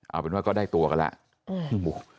เอาเป็นว่าก็ได้ตัวกันแล้ว